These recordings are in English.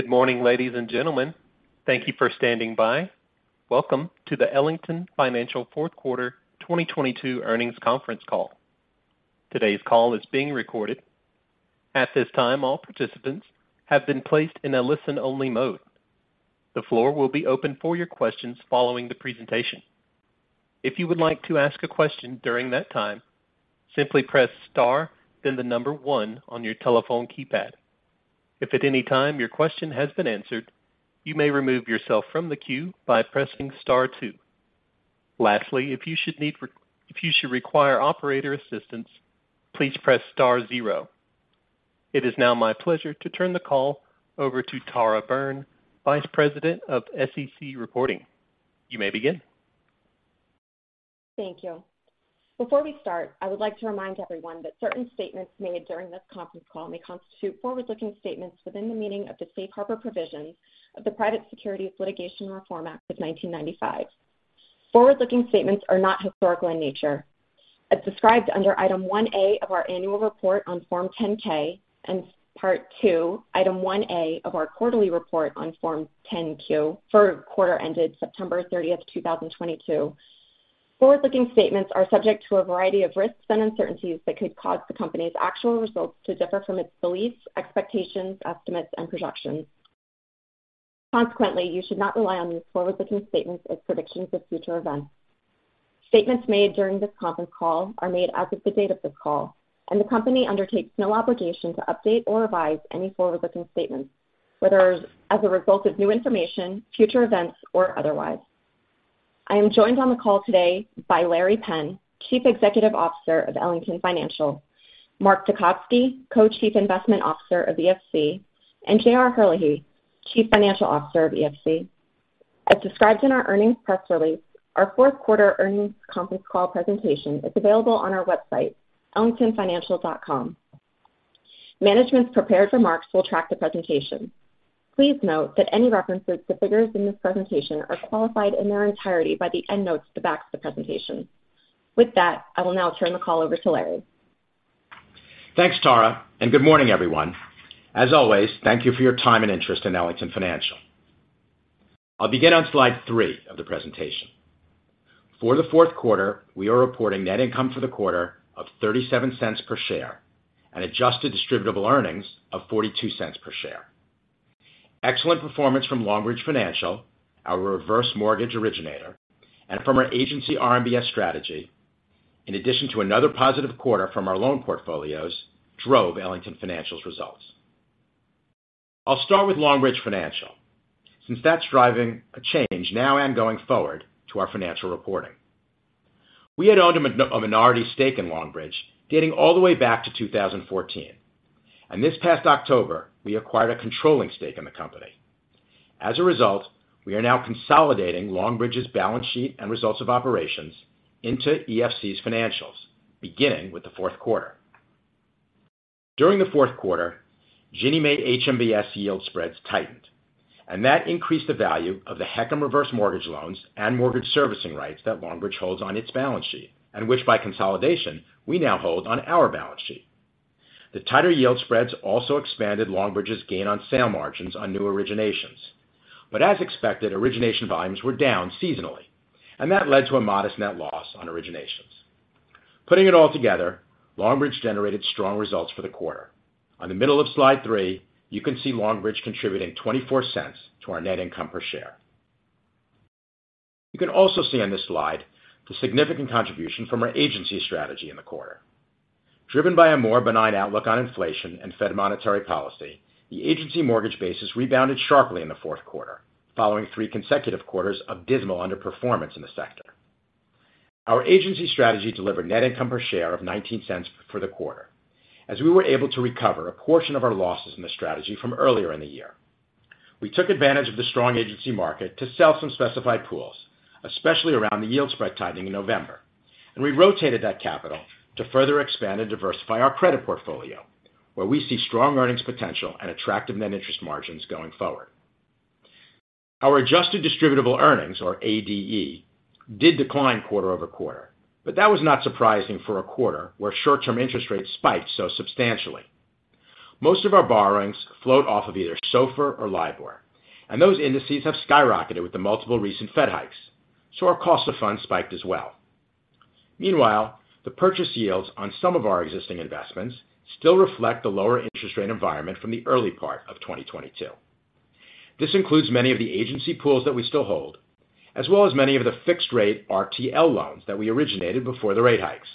Good morning, ladies and gentlemen. Thank you for standing by. Welcome to the Ellington Financial Fourth Quarter 2022 earnings conference call. Today's call is being recorded. At this time, all participants have been placed in a listen-only mode. The floor will be open for your questions following the presentation. If you would like to ask a question during that time, simply press star then the 1 on your telephone keypad. If at any time your question has been answered, you may remove yourself from the queue by pressing star two. Lastly, if you should require operator assistance, please press star zero. It is now my pleasure to turn the call over to Tara Byrne, Vice President of SEC Reporting. You may begin. Thank you. Before we start, I would like to remind everyone that certain statements made during this conference call may constitute forward-looking statements within the meaning of the safe harbor provisions of the Private Securities Litigation Reform Act of 1995. Forward-looking statements are not historical in nature. As described under Item 1A of our annual report on Form 10-K and part two, Item 1A of our quarterly report on Form 10-Q for quarter ended September 30, 2022. Forward-looking statements are subject to a variety of risks and uncertainties that could cause the company's actual results to differ from its beliefs, expectations, estimates, and projections. Consequently, you should not rely on these forward-looking statements as predictions of future events. Statements made during this conference call are made as of the date of this call, the company undertakes no obligation to update or revise any forward-looking statements, whether as a result of new information, future events, or otherwise. I am joined on the call today by Larry Penn, Chief Executive Officer of Ellington Financial, Mark Tecotzky, Co-Chief Investment Officer of EFC, and JR Herlihy, Chief Financial Officer of EFC. As described in our earnings press release, our fourth quarter earnings conference call presentation is available on our website, ellingtonfinancial.com. Management's prepared remarks will track the presentation. Please note that any references to figures in this presentation are qualified in their entirety by the endnotes at the back of the presentation. With that, I will now turn the call over to Larry. Thanks, Tara. Good morning, everyone. As always, thank you for your time and interest in Ellington Financial. I'll begin on slide 3 of the presentation. For the fourth quarter, we are reporting net income for the quarter of $0.37 per share and adjusted distributable earnings of $0.42 per share. Excellent performance from Longbridge Financial, our reverse mortgage originator, and from our agency RMBS strategy, in addition to another positive quarter from our loan portfolios, drove Ellington Financial's results. I'll start with Longbridge Financial, since that's driving a change now and going forward to our financial reporting. We had owned a minority stake in Longbridge dating all the way back to 2014, and this past October, we acquired a controlling stake in the company. As a result, we are now consolidating Longbridge's balance sheet and results of operations into EFC's financials, beginning with the fourth quarter. During the fourth quarter, Ginnie Mae HMBS yield spreads tightened, and that increased the value of the HECM reverse mortgage loans and mortgage servicing rights that Longbridge holds on its balance sheet, and which by consolidation, we now hold on our balance sheet. The tighter yield spreads also expanded Longbridge's gain on sale margins on new originations. As expected, origination volumes were down seasonally, and that led to a modest net loss on originations. Putting it all together, Longbridge generated strong results for the quarter. On the middle of slide 3, you can see Longbridge contributing $0.24 to our net income per share. You can also see on this slide the significant contribution from our agency strategy in the quarter. Driven by a more benign outlook on inflation and Fed monetary policy, the agency mortgage basis rebounded sharply in the fourth quarter, following 3 consecutive quarters of dismal underperformance in the sector. Our agency strategy delivered net income per share of $0.19 for the quarter as we were able to recover a portion of our losses in the strategy from earlier in the year. We took advantage of the strong agency market to sell some specified pools, especially around the yield spread tightening in November. We rotated that capital to further expand and diversify our credit portfolio, where we see strong earnings potential and attractive net interest margins going forward. Our adjusted distributable earnings, or ADE, did decline quarter-over-quarter, but that was not surprising for a quarter where short-term interest rates spiked so substantially. Most of our borrowings float off of either SOFR or LIBOR, and those indices have skyrocketed with the multiple recent Fed hikes, so our cost of funds spiked as well. Meanwhile, the purchase yields on some of our existing investments still reflect the lower interest rate environment from the early part of 2022. This includes many of the agency pools that we still hold, as well as many of the fixed rate RTL loans that we originated before the rate hikes.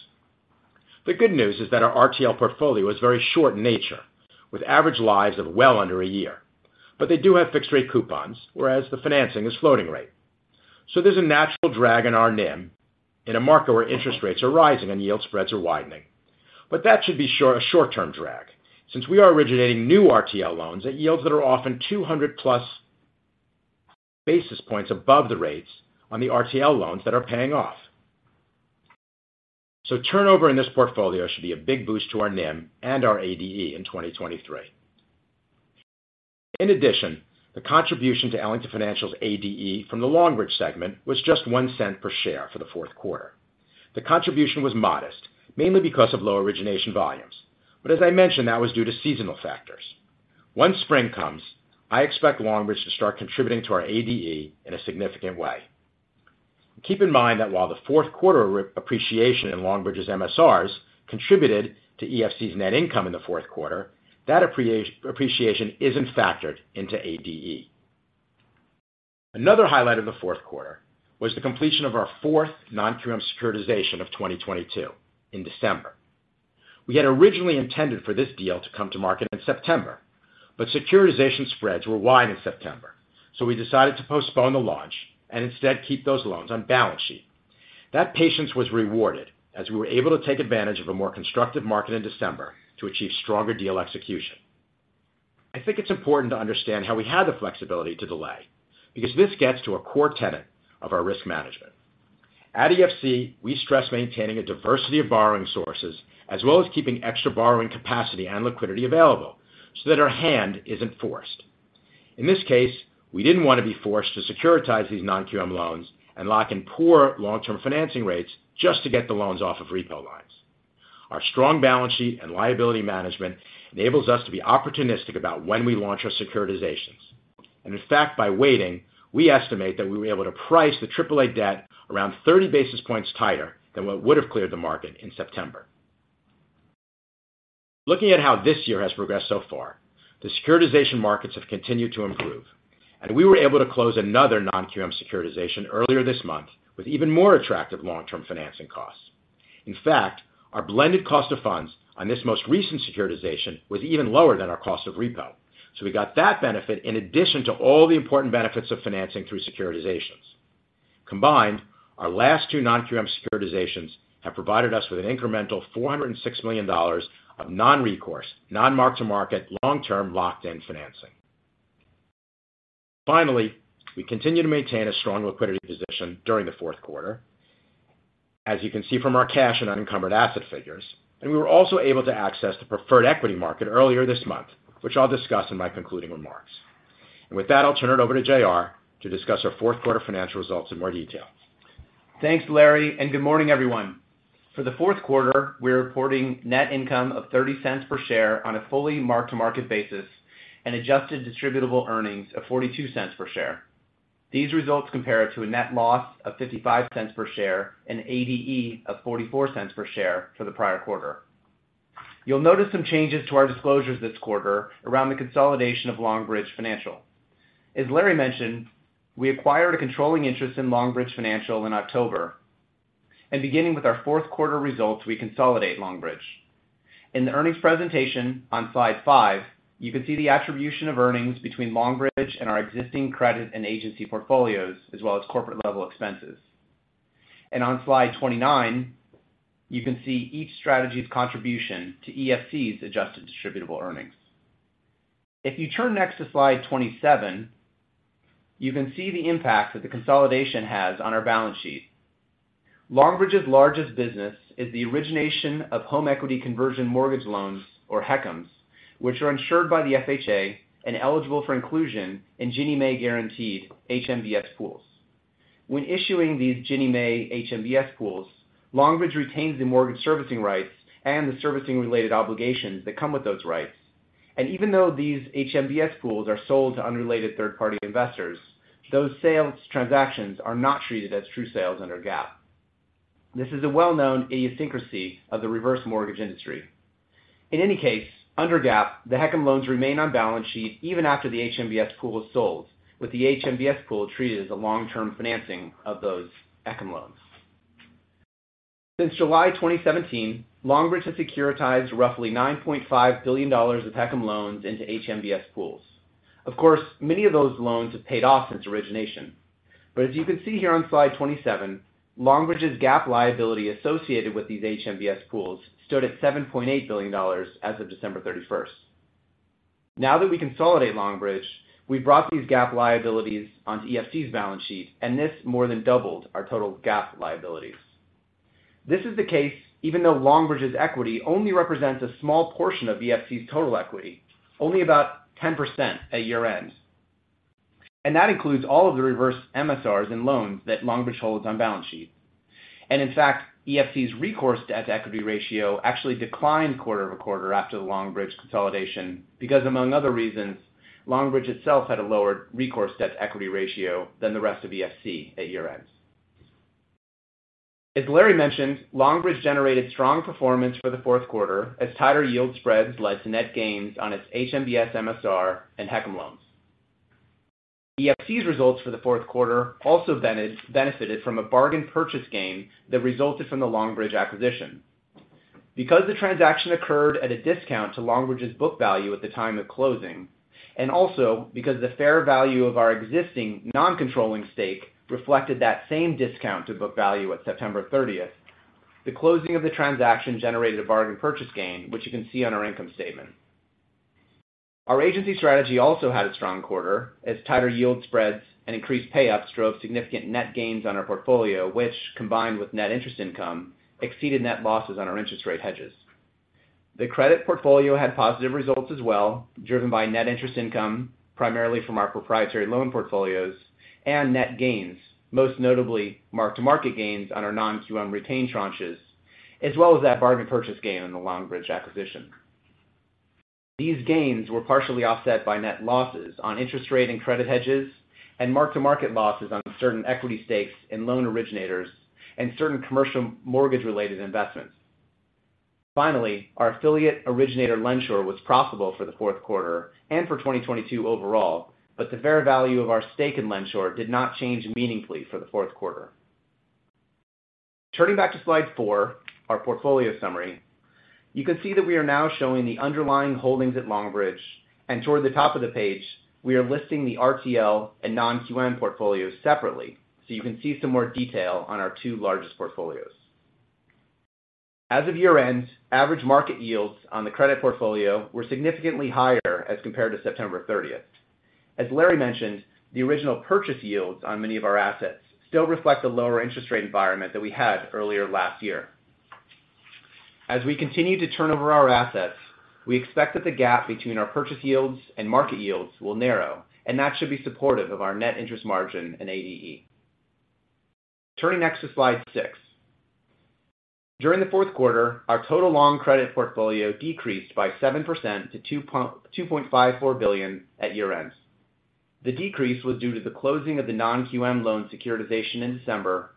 The good news is that our RTL portfolio is very short in nature, with average lives of well under a year. They do have fixed rate coupons, whereas the financing is floating rate. There's a natural drag on our NIM in a market where interest rates are rising and yield spreads are widening. That should be sure a short-term drag, since we are originating new RTL loans at yields that are often 200+ basis points above the rates on the RTL loans that are paying off. Turnover in this portfolio should be a big boost to our NIM and our ADE in 2023. The contribution to Ellington Financial's ADE from the Longbridge segment was just $0.01 per share for the fourth quarter. The contribution was modest, mainly because of low origination volumes. As I mentioned, that was due to seasonal factors. Once spring comes, I expect Longbridge to start contributing to our ADE in a significant way. Keep in mind that while the fourth quarter appreciation in Longbridge's MSRs contributed to EFC's net income in the fourth quarter, that appreciation isn't factored into ADE. Another highlight of the fourth quarter was the completion of our fourth non-QM securitization of 2022 in December. We had originally intended for this deal to come to market in September, but securitization spreads were wide in September, so we decided to postpone the launch and instead keep those loans on balance sheet. That patience was rewarded as we were able to take advantage of a more constructive market in December to achieve stronger deal execution. I think it's important to understand how we had the flexibility to delay, because this gets to a core tenet of our risk management. At EFC, we stress maintaining a diversity of borrowing sources as well as keeping extra borrowing capacity and liquidity available so that our hand isn't forced. In this case, we didn't want to be forced to securitize these non-QM loans and lock in poor long-term financing rates just to get the loans off of repo lines. Our strong balance sheet and liability management enables us to be opportunistic about when we launch our securitizations. In fact, by waiting, we estimate that we were able to price the AAA debt around 30 basis points tighter than what would have cleared the market in September. Looking at how this year has progressed so far, the securitization markets have continued to improve, and we were able to close another non-QM securitization earlier this month with even more attractive long-term financing costs. In fact, our blended cost of funds on this most recent securitization was even lower than our cost of repo. We got that benefit in addition to all the important benefits of financing through securitizations. Combined, our last two non-QM securitizations have provided us with an incremental $406 million of non-recourse, non-mark-to-market, long-term locked in financing. Finally, we continue to maintain a strong liquidity position during the fourth quarter. As you can see from our cash and unencumbered asset figures, and we were also able to access the preferred equity market earlier this month, which I'll discuss in my concluding remarks. With that, I'll turn it over to JR to discuss our fourth quarter financial results in more detail. Thanks, Larry, good morning, everyone. For the fourth quarter, we're reporting net income of $0.30 per share on a fully mark-to-market basis and adjusted distributable earnings of $0.42 per share. These results compare to a net loss of $0.55 per share and ADE of $0.44 per share for the prior quarter. You'll notice some changes to our disclosures this quarter around the consolidation of Longbridge Financial. As Larry mentioned, we acquired a controlling interest in Longbridge Financial in October, and beginning with our fourth quarter results, we consolidate Longbridge. In the earnings presentation on slide 5, you can see the attribution of earnings between Longbridge and our existing credit and agency portfolios, as well as corporate-level expenses. On slide 29, you can see each strategy's contribution to EFC's adjusted distributable earnings. If you turn next to slide 27, you can see the impact that the consolidation has on our balance sheet. Longbridge's largest business is the origination of home equity conversion mortgage loans or HECMs, which are insured by the FHA and eligible for inclusion in Ginnie Mae guaranteed HMBS pools. When issuing these Ginnie Mae HMBS pools, Longbridge retains the mortgage servicing rights and the servicing-related obligations that come with those rights. Even though these HMBS pools are sold to unrelated third-party investors, those sales transactions are not treated as true sales under GAAP. This is a well-known idiosyncrasy of the reverse mortgage industry. In any case, under GAAP, the HECM loans remain on balance sheet even after the HMBS pool is sold, with the HMBS pool treated as a long-term financing of those HECM loans. Since July 2017, Longbridge has securitized roughly $9.5 billion of HECM loans into HMBS pools. Of course, many of those loans have paid off since origination. As you can see here on slide 27, Longbridge's GAAP liability associated with these HMBS pools stood at $7.8 billion as of December 31st. Now that we consolidate Longbridge, we've brought these GAAP liabilities onto EFC's balance sheet, and this more than doubled our total GAAP liabilities. This is the case even though Longbridge's equity only represents a small portion of EFC's total equity, only about 10% at year-end. That includes all of the reverse MSRs and loans that Longbridge holds on balance sheet. In fact, EFC's recourse debt to equity ratio actually declined quarter-over-quarter after the Longbridge consolidation because, among other reasons, Longbridge itself had a lower recourse debt to equity ratio than the rest of EFC at year-end. As Larry mentioned, Longbridge generated strong performance for the fourth quarter as tighter yield spreads led to net gains on its HMBS MSR and HECM loans. EFC's results for the fourth quarter also benefited from a bargain purchase gain that resulted from the Longbridge acquisition. Because the transaction occurred at a discount to Longbridge's book value at the time of closing, and also because the fair value of our existing non-controlling stake reflected that same discount to book value at September 30th, the closing of the transaction generated a bargain purchase gain, which you can see on our income statement. Our agency strategy also had a strong quarter as tighter yield spreads and increased payups drove significant net gains on our portfolio, which, combined with net interest income, exceeded net losses on our interest rate hedges. The credit portfolio had positive results as well, driven by net interest income, primarily from our proprietary loan portfolios and net gains, most notably mark-to-market gains on our non-QM retained tranches, as well as that bargain purchase gain in the Longbridge acquisition. These gains were partially offset by net losses on interest rate and credit hedges, and mark-to-market losses on certain equity stakes in loan originators and certain commercial mortgage-related investments. Finally, our affiliate originator, LendSure, was profitable for the fourth quarter and for 2022 overall, but the fair value of our stake in LendSure did not change meaningfully for the fourth quarter. Turning back to slide 4, our portfolio summary, you can see that we are now showing the underlying holdings at Longbridge, and toward the top of the page, we are listing the RTL and non-QM portfolios separately, so you can see some more detail on our two largest portfolios. As of year-end, average market yields on the credit portfolio were significantly higher as compared to September 30th. As Larry mentioned, the original purchase yields on many of our assets still reflect the lower interest rate environment that we had earlier last year. As we continue to turn over our assets, we expect that the gap between our purchase yields and market yields will narrow, and that should be supportive of our net interest margin in ADE. Turning next to slide 6. During the fourth quarter, our total long credit portfolio decreased by 7% to $2.54 billion at year-end. The decrease was due to the closing of the non-QM loan securitization in December,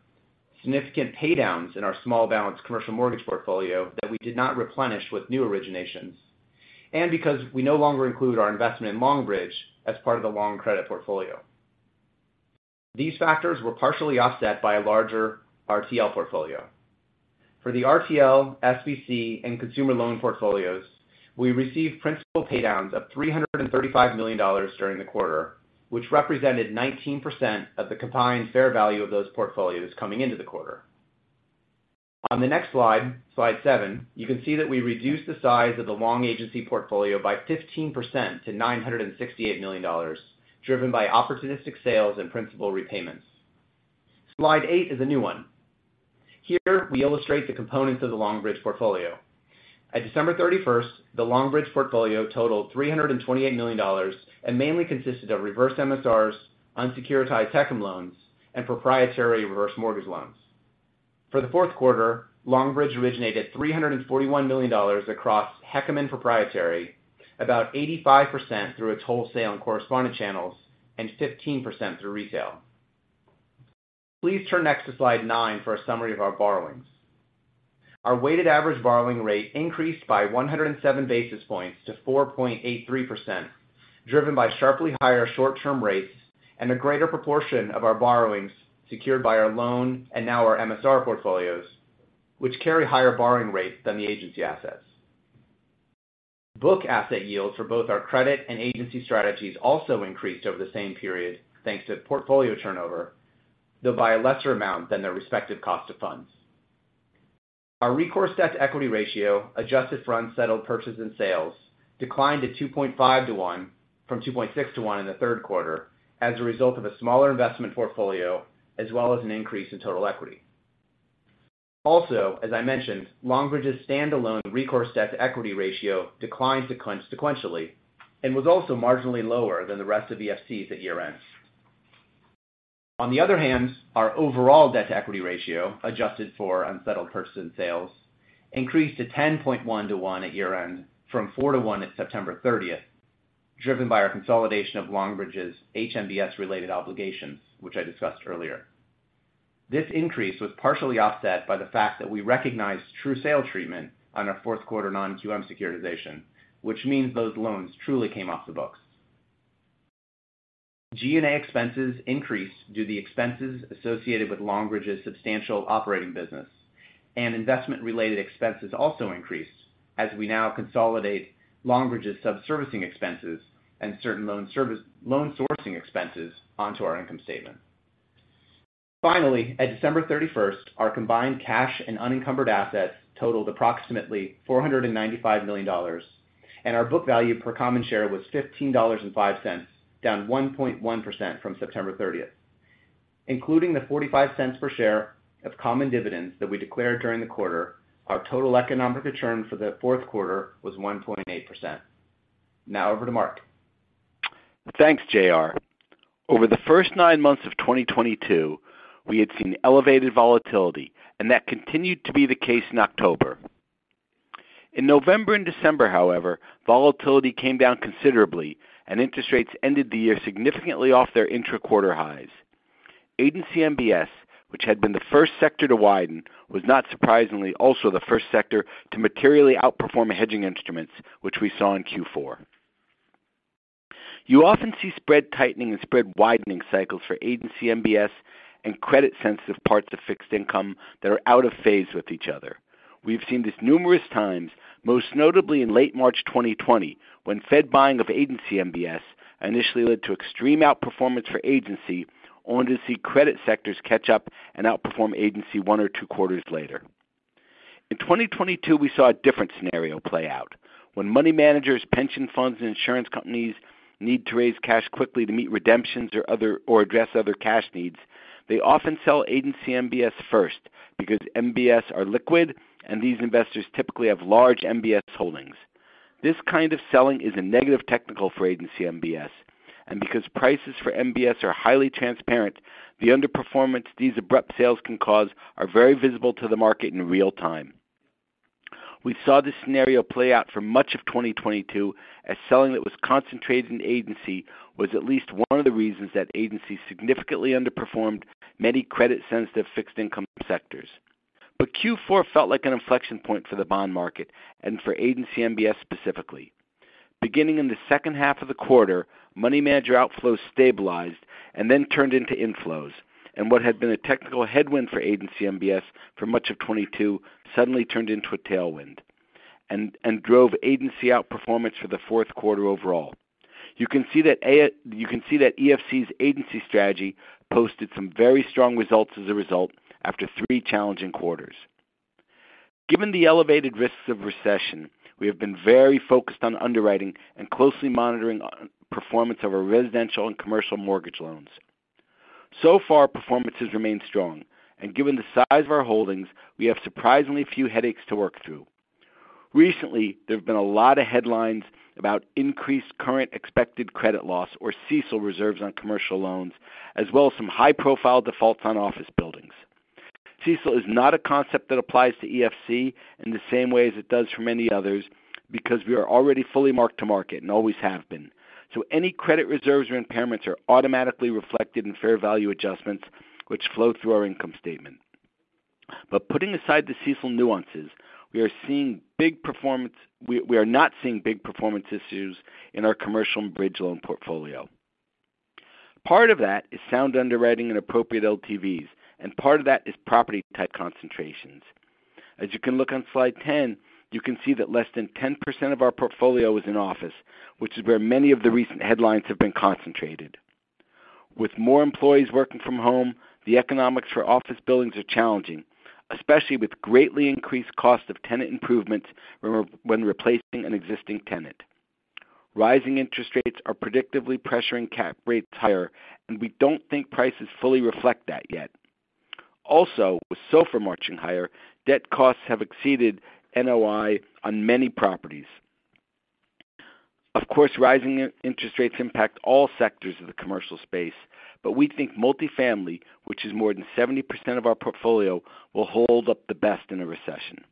significant paydowns in our small balance commercial mortgage portfolio that we did not replenish with new originations, and because we no longer include our investment in Longbridge as part of the long credit portfolio. These factors were partially offset by a larger RTL portfolio. For the RTL, SBC, and consumer loan portfolios, we received principal paydowns of $335 million during the quarter, which represented 19% of the combined fair value of those portfolios coming into the quarter. On the next slide 7, you can see that we reduced the size of the long agency portfolio by 15% to $968 million, driven by opportunistic sales and principal repayments. Slide 8 is a new one. Here, we illustrate the components of the Longbridge portfolio. At December 31st, the Longbridge portfolio totaled $328 million and mainly consisted of reverse MSRs, unsecured HECM loans, and proprietary reverse mortgage loans. For the fourth quarter, Longbridge originated $341 million across HECM and proprietary, about 85% through its wholesale and correspondent channels and 15% through retail. Please turn next to slide 9 for a summary of our borrowings. Our weighted average borrowing rate increased by 107 basis points to 4.83%, driven by sharply higher short-term rates and a greater proportion of our borrowings secured by our loan and now our MSR portfolios, which carry higher borrowing rates than the agency assets. Book asset yields for both our credit and agency strategies also increased over the same period, thanks to portfolio turnover, though by a lesser amount than their respective cost of funds. Our recourse debt-to-equity ratio, adjusted for unsettled purchases and sales, declined to 2.5 to 1 from 2.6 to 1 in the third quarter as a result of a smaller investment portfolio as well as an increase in total equity. Also, as I mentioned, Longbridge's stand-alone recourse debt-to-equity ratio declined sequentially and was also marginally lower than the rest of the EFC's at year-end. On the other hand, our overall debt-to-equity ratio, adjusted for unsettled purchase and sales, increased to 10.1 to 1 at year-end from 4 to 1 at September 30th, driven by our consolidation of Longbridge's HMBS-related obligations, which I discussed earlier. This increase was partially offset by the fact that we recognized true sale treatment on our fourth quarter non-QM securitization, which means those loans truly came off the books. G&A expenses increased due to the expenses associated with Longbridge's substantial operating business. Investment-related expenses also increased as we now consolidate Longbridge's sub-servicing expenses and certain loan sourcing expenses onto our income statement. At December 31st, our combined cash and unencumbered assets totaled approximately $495 million, and our book value per common share was $15.05, down 1.1% from September 30th. Including the $0.45 per share of common dividends that we declared during the quarter, our total economic return for the fourth quarter was 1.8%. Over to Mark. Thanks, J.R. Over the first 9 months of 2022, we had seen elevated volatility, that continued to be the case in October. In November and December, however, volatility came down considerably, interest rates ended the year significantly off their intra-quarter highs. agency MBS, which had been the first sector to widen, was not surprisingly also the first sector to materially outperform hedging instruments, which we saw in Q4. You often see spread tightening and spread widening cycles for agency MBS and credit-sensitive parts of fixed income that are out of phase with each other. We've seen this numerous times, most notably in late March 2020, when Fed buying of agency MBS initially led to extreme outperformance for agency only to see credit sectors catch up and outperform agency 1 or 2 quarters later. In 2022, we saw a different scenario play out. When money managers, pension funds, and insurance companies need to raise cash quickly to meet redemptions or address other cash needs, they often sell agency MBS first because MBS are liquid and these investors typically have large MBS holdings. This kind of selling is a negative technical for agency MBS, and because prices for MBS are highly transparent, the underperformance these abrupt sales can cause are very visible to the market in real time. We saw this scenario play out for much of 2022 as selling that was concentrated in agency was at least one of the reasons that agencies significantly underperformed many credit-sensitive fixed income sectors. Q4 felt like an inflection point for the bond market and for agency MBS specifically. Beginning in the second half of the quarter, money manager outflows stabilized and then turned into inflows. What had been a technical headwind for agency MBS for much of 22 suddenly turned into a tailwind and drove agency outperformance for the fourth quarter overall. You can see that EFC's agency strategy posted some very strong results as a result after 3 challenging quarters. Given the elevated risks of recession, we have been very focused on underwriting and closely monitoring performance of our residential and commercial mortgage loans. So far, performance has remained strong, and given the size of our holdings, we have surprisingly few headaches to work through. Recently, there have been a lot of headlines about increased current expected credit loss or CECL reserves on commercial loans, as well as some high-profile defaults on office buildings. CECL is not a concept that applies to EFC in the same way as it does for many others because we are already fully mark to market and always have been. Any credit reserves or impairments are automatically reflected in fair value adjustments which flow through our income statement. Putting aside the CECL nuances, we are not seeing big performance issues in our commercial and bridge loan portfolio. Part of that is sound underwriting and appropriate LTVs, and part of that is property type concentrations. As you can look on slide 10, you can see that less than 10% of our portfolio is in office, which is where many of the recent headlines have been concentrated. With more employees working from home, the economics for office buildings are challenging, especially with greatly increased cost of tenant improvements when replacing an existing tenant. Rising interest rates are predictably pressuring cap rates higher, and we don't think prices fully reflect that yet. Also, with SOFR marching higher, debt costs have exceeded NOI on many properties. Of course, rising interest rates impact all sectors of the commercial space, but we think multifamily, which is more than 70% of our portfolio, will hold up the best in a recession.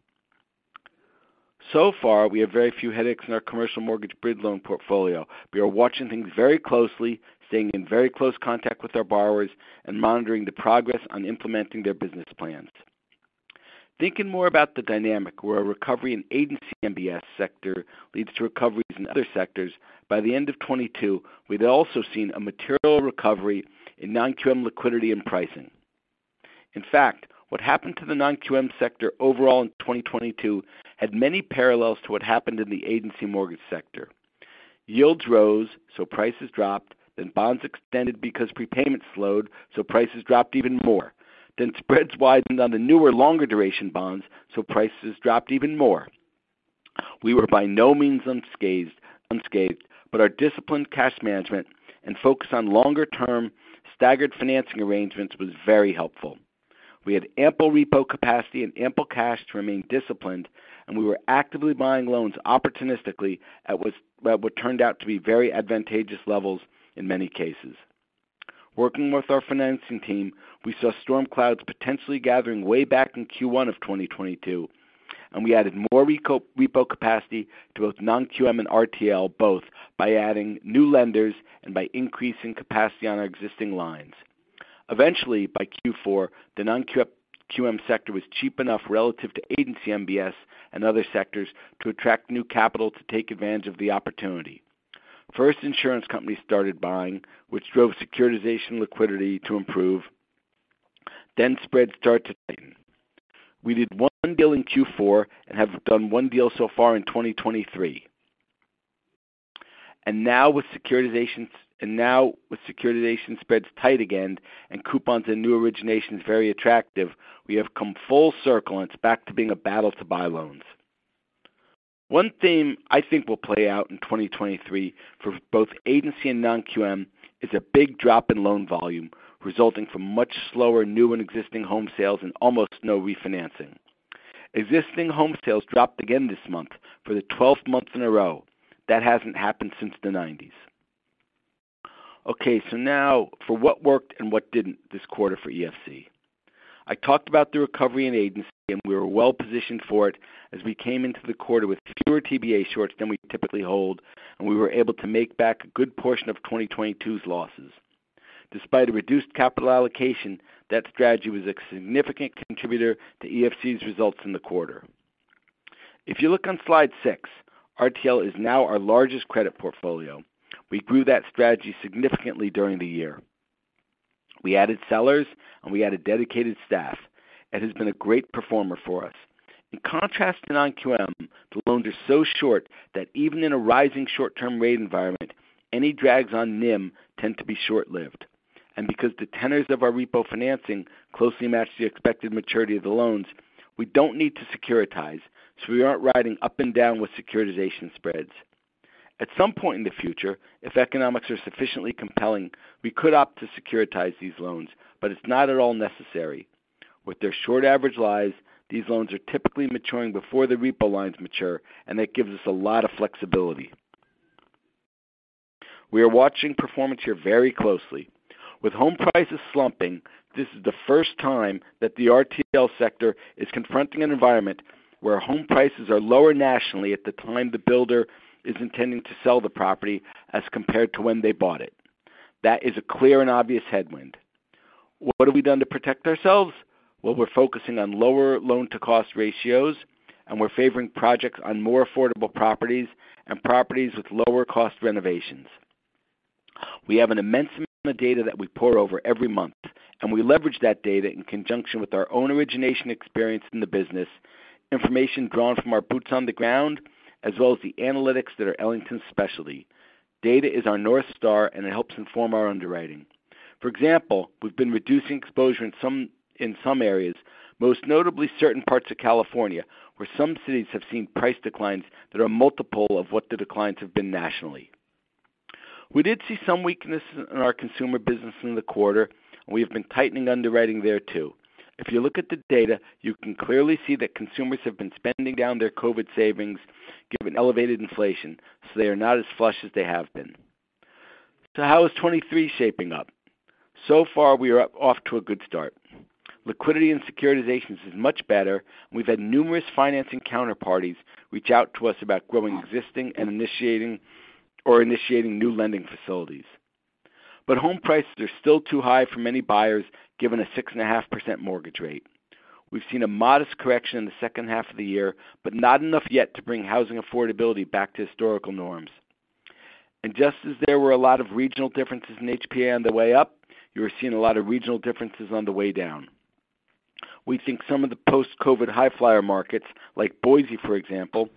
So far, we have very few headaches in our commercial mortgage bridge loan portfolio. We are watching things very closely, staying in very close contact with our borrowers, and monitoring the progress on implementing their business plans. Thinking more about the dynamic where a recovery in agency MBS sector leads to recoveries in other sectors, by the end of 2022, we'd also seen a material recovery in non-QM liquidity and pricing. What happened to the non-QM sector overall in 2022 had many parallels to what happened in the agency mortgage sector. Yields rose, so prices dropped, then bonds extended because prepayments slowed, so prices dropped even more. Spreads widened on the newer, longer duration bonds, so prices dropped even more. We were by no means unscathed, our disciplined cash management and focus on longer-term staggered financing arrangements was very helpful. We had ample repo capacity and ample cash to remain disciplined, we were actively buying loans opportunistically at what turned out to be very advantageous levels in many cases. Working with our financing team, we saw storm clouds potentially gathering way back in Q1 of 2022. We added more repo capacity to both non-QM and RTL, both by adding new lenders and by increasing capacity on our existing lines. Eventually, by Q4, the non-QM sector was cheap enough relative to agency MBS and other sectors to attract new capital to take advantage of the opportunity. First, insurance companies started buying, which drove securitization liquidity to improve. Spreads start to tighten. We did one deal in Q4 and have done one deal so far in 2023. Now with securitization spreads tight again and coupons and new originations very attractive, we have come full circle, and it's back to being a battle to buy loans. One theme I think will play out in 2023 for both agency and non-QM is a big drop in loan volume resulting from much slower new and existing home sales and almost no refinancing. Existing home sales dropped again this month for the 12th month in a row. That hasn't happened since the 90s. Now for what worked and what didn't this quarter for EFC. I talked about the recovery in agency, and we were well positioned for it as we came into the quarter with fewer TBA shorts than we typically hold, and we were able to make back a good portion of 2022's losses. Despite a reduced capital allocation, that strategy was a significant contributor to EFC's results in the quarter. If you look on slide 6, RTL is now our largest credit portfolio. We grew that strategy significantly during the year. We added sellers, and we added dedicated staff. It has been a great performer for us. In contrast to non-QM, the loans are so short that even in a rising short-term rate environment, any drags on NIM tend to be short-lived. Because the tenors of our repo financing closely match the expected maturity of the loans, we don't need to securitize, so we aren't riding up and down with securitization spreads. At some point in the future, if economics are sufficiently compelling, we could opt to securitize these loans, but it's not at all necessary. With their short average lives, these loans are typically maturing before the repo lines mature, and that gives us a lot of flexibility. We are watching performance here very closely. With home prices slumping, this is the first time that the RTL sector is confronting an environment where home prices are lower nationally at the time the builder is intending to sell the property as compared to when they bought it. That is a clear and obvious headwind. What have we done to protect ourselves? We're focusing on lower loan-to-cost ratios, and we're favoring projects on more affordable properties and properties with lower cost renovations. We have an immense amount of data that we pour over every month, and we leverage that data in conjunction with our own origination experience in the business, information drawn from our boots on the ground, as well as the analytics that are Ellington's specialty. Data is our North Star, and it helps inform our underwriting. For example, we've been reducing exposure in some, in some areas, most notably certain parts of California, where some cities have seen price declines that are multiple of what the declines have been nationally. We did see some weakness in our consumer business in the quarter, and we have been tightening underwriting there too. If you look at the data, you can clearly see that consumers have been spending down their COVID savings given elevated inflation, so they are not as flush as they have been. How is 2023 shaping up? So far, we are up off to a good start. Liquidity and securitizations is much better, and we've had numerous financing counterparties reach out to us about growing existing and initiating or initiating new lending facilities. Home prices are still too high for many buyers, given a 6.5% mortgage rate. We've seen a modest correction in the second half of the year, but not enough yet to bring housing affordability back to historical norms. Just as there were a lot of regional differences in HPA on the way up, you are seeing a lot of regional differences on the way down. We think some of the post-COVID high-flyer markets, like Boise, for example,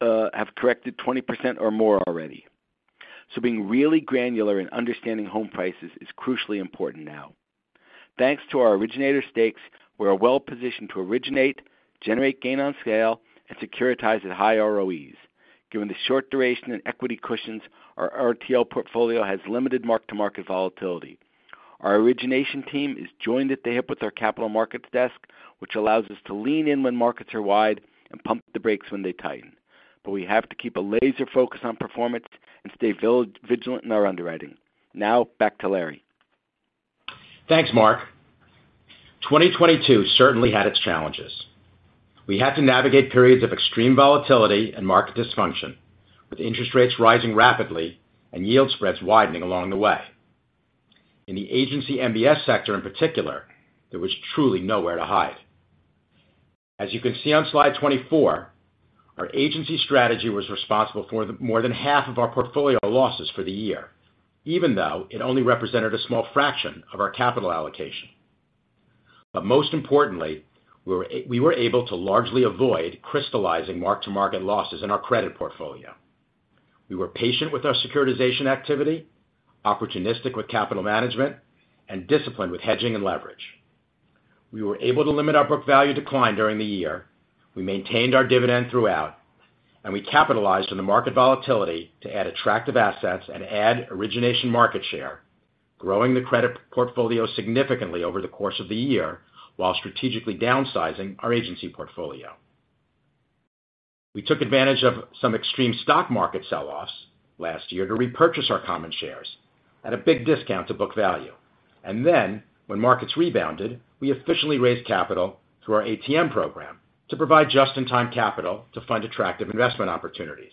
have corrected 20% or more already. Being really granular in understanding home prices is crucially important now. Thanks to our originator stakes, we're well-positioned to originate, generate gain on sale, and securitize at high ROEs. Given the short duration and equity cushions, our RTL portfolio has limited mark-to-market volatility. Our origination team is joined at the hip with our capital markets desk, which allows us to lean in when markets are wide and pump the brakes when they tighten. We have to keep a laser focus on performance and stay vigilant in our underwriting. Now back to Larry. Thanks, Mark. 2022 certainly had its challenges. We had to navigate periods of extreme volatility and market dysfunction, with interest rates rising rapidly and yield spreads widening along the way. In the agency MBS sector in particular, there was truly nowhere to hide. As you can see on slide 24, our agency strategy was responsible for the more than half of our portfolio losses for the year, even though it only represented a small fraction of our capital allocation. Most importantly, we were able to largely avoid crystallizing mark-to-market losses in our credit portfolio. We were patient with our securitization activity, opportunistic with capital management, and disciplined with hedging and leverage. We were able to limit our book value decline during the year, we maintained our dividend throughout, and we capitalized on the market volatility to add attractive assets and add origination market share, growing the credit portfolio significantly over the course of the year while strategically downsizing our agency portfolio. We took advantage of some extreme stock market sell-offs last year to repurchase our common shares at a big discount to book value. When markets rebounded, we efficiently raised capital through our ATM program to provide just-in-time capital to fund attractive investment opportunities.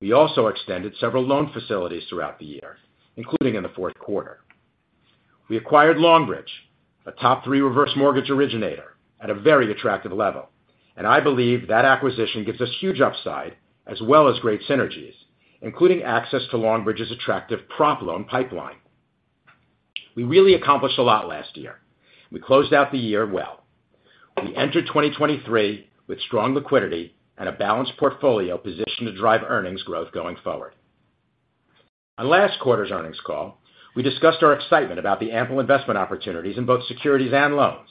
We also extended several loan facilities throughout the year, including in the fourth quarter. We acquired Longbridge, a top 3 reverse mortgage originator at a very attractive level. I believe that acquisition gives us huge upside as well as great synergies, including access to Longbridge's attractive prop loan pipeline. We really accomplished a lot last year. We closed out the year well. We entered 2023 with strong liquidity and a balanced portfolio positioned to drive earnings growth going forward. On last quarter's earnings call, we discussed our excitement about the ample investment opportunities in both securities and loans,